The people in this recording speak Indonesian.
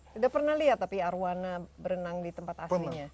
sudah pernah lihat tapi arwana berenang di tempat aslinya